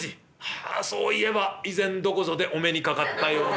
ああそういえば以前どこぞでお目にかかったような気も致す。